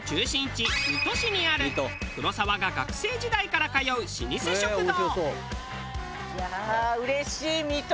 水戸市にある黒沢が学生時代から通う老舗食堂。